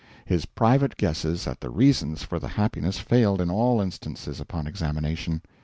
His private guesses at the reasons for the happiness failed in all instances, upon examination.